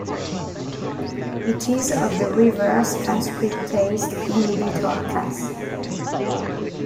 It is of the reverse transcriptase inhibitor class.